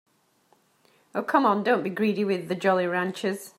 Oh, come on, don't be greedy with the Jolly Ranchers.